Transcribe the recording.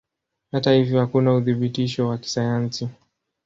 Hata hivyo hakuna uthibitisho wa kisayansi.